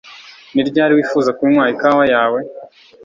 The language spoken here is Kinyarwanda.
Ni ryari wifuza kunywa ikawa yawe